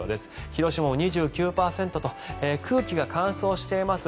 広島も２９％と空気が乾燥しています。